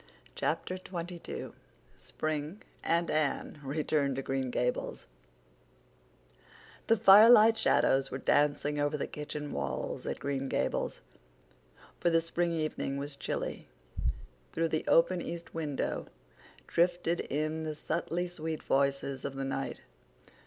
Chapter XXII Spring and Anne Return to Green Gables The firelight shadows were dancing over the kitchen walls at Green Gables, for the spring evening was chilly; through the open east window drifted in the subtly sweet voices of the night.